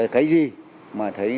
cái gì mà thấy